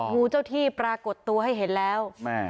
งูเจ้าที่ปรากฏตัวให้เห็นแล้ว